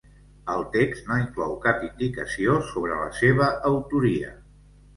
El text no inclou cap indicació sobre la seva autoria.